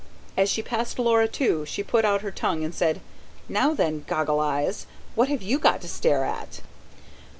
As she passed Laura, too, she put out her tongue and said: "Now then, goggle eyes, what have you got to stare at?"